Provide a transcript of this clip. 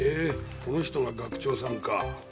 この人が学長さんか。